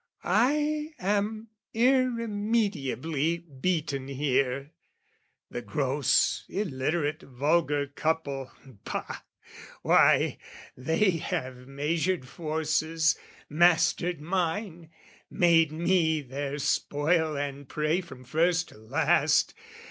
"I am irremediably beaten here, "The gross illiterate vulgar couple, bah! "Why, they have measured forces, mastered mine, "Made me their spoil and prey from first to last.